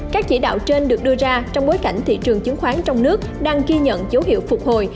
các chỉ đạo trên được đưa ra trong bối cảnh thị trường chứng khoán trong nước đang ghi nhận dấu hiệu phục hồi